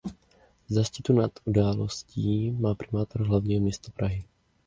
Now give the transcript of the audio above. Záštitu nad událostí má primátor hlavního města Prahy.